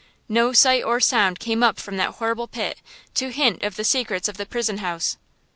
No sight or sound came up from that horrible pit, to hint of the secrets of the prison house.